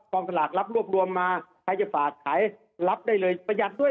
สลากรับรวบรวมมาใครจะฝากขายรับได้เลยประหยัดด้วย